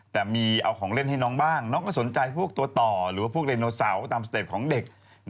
แต่มีเอาของเล่นให้น้องบ้างน้องก็สนใจพวกตัวต่อหรือว่าพวกไดโนเสาร์ตามสเต็ปของเด็ก